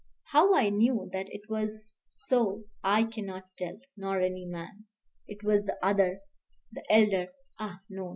How I knew that it was so I cannot tell, nor any man. It was the other, the elder, ah, no!